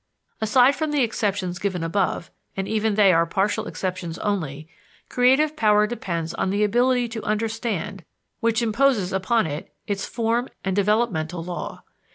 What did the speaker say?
Aside from the exceptions given above and even they are partial exceptions only creative power depends on the ability to understand, which imposes upon it its form and developmental law.